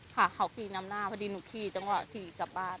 ค่ะเขาขี่นำหน้าพอดีหนูขี่จังหวะขี่กลับบ้าน